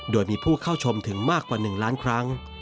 โดยมีผู้เข้าชมถึงมากกว่า๑ล้านครั้ง